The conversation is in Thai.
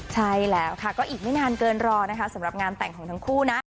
ใช่แล้วค่ะก็อีกไม่นานเกินรอนะคะสำหรับงานแต่งของทั้งคู่นะ